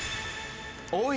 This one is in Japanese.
おい！